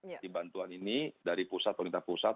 jadi bantuan ini dari pusat